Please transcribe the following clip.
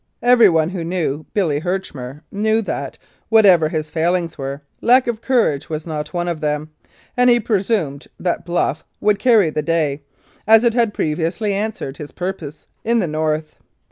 Everyone who knew "Billy" Herchmer knew that, whatever his failings were, lack of courage was not one of them, and he presumed that "bluff" would carry the day, as it had previously answered his purpose in the North.